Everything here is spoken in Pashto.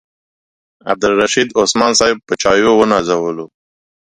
عبدالرشید عثمان صاحب په چایو ونازولم.